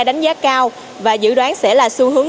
đánh giá cao và dự đoán sẽ là xu hướng